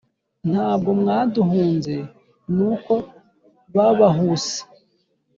Ntabwo mwaduhunze N’uko babahuse!